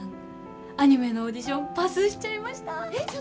アニメのオーディションパスしちゃいました！